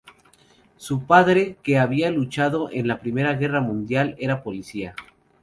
Su padre, que había luchado en la Primera Guerra Mundial, era policía.